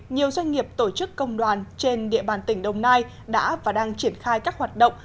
nhiều doanh nghiệp tổ chức công đoàn trên địa bàn tỉnh đồng nai đã và đang triển khai các hoạt động